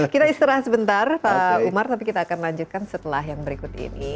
kita istirahat sebentar pak umar tapi kita akan lanjutkan setelah yang berikut ini